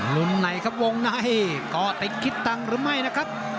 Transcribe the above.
มุมไหนครับวงในก่อติดคิดตังค์หรือไม่นะครับ